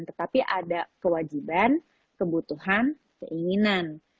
tetapi ada kewajiban kebutuhan keinginan